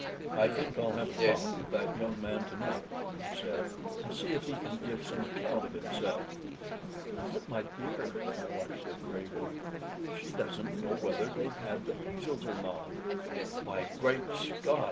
"I think I'll have a talk with that young man to night," I said, "and see if he can give some account of himself." "But, my dear," my wife said, gravely, "she doesn't know whether they've had the measles or not." "Why, Great Scott!"